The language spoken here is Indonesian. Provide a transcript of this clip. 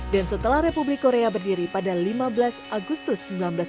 dan setelah republik korea berdiri pada lima belas agustus seribu sembilan ratus empat puluh lima